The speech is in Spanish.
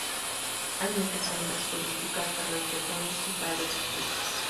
Hay muchas sendas turísticas para los peatones y para los ciclistas.